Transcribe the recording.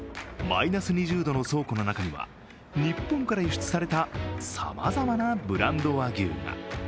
マイナス２０度の倉庫の中には日本から輸出されたさまざまなブランド和牛が。